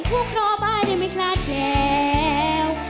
คู่คลอบ้าจะไม่คลาดแล้ว